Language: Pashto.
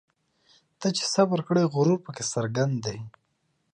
ته چي صبر کړې غرور پکښي څرګند دی